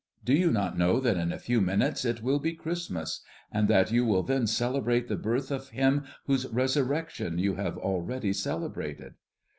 Do you not know that in a few minutes it will be Christmas, and that you will then celebrate the birth of Him whose resurrection you have already celebrated?"